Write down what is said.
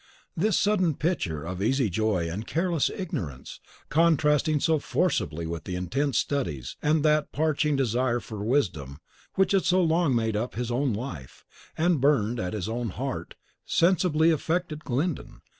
This sudden picture of easy joy and careless ignorance, contrasting so forcibly with the intense studies and that parching desire for wisdom which had so long made up his own life, and burned at his own heart, sensibly affected Glyndon.